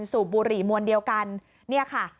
สูบบุหรี่มวลเดียวกันเนี่ยค่ะ